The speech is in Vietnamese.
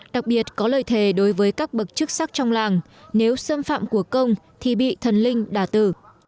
đặc biệt có lời thề đối với các bậc chức sắc trong làng nếu xâm phạm của công thì bị thần linh đà tử